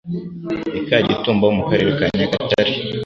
i Kagitumba ho mu Karere ka Nyagatare.